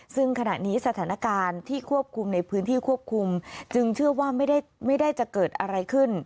ซึ่งขณะนี้สถานการณ์ที่ควบคุมในพื้นที่ควบคุมจึงเชื่อว่าไม่ได้จะเกิดอะไรขึ้น